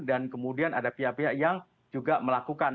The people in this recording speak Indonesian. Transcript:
dan kemudian ada pihak pihak yang juga melakukan